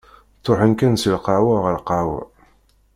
Ttruḥen kan si lqahwa ɣer lqahwa.